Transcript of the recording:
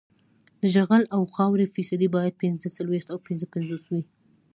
د جغل او خاورې فیصدي باید پینځه څلویښت او پنځه پنځوس وي